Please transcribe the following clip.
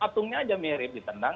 patungnya aja mirip ditendang